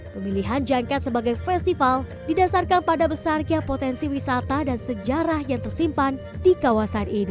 pemilihan jangkat sebagai festival didasarkan pada besarnya potensi wisata dan sejarah yang tersimpan di kawasan ini